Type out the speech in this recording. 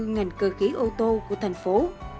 ngành cơ khí ô tô của thành phố